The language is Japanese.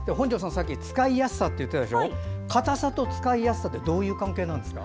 さっき使いやすさと言ってたけど硬さと使いやすさはどういう関係なんですか？